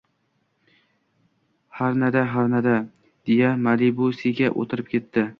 harna-da harna», deya «Malibu»siga o‘tirib ketdi...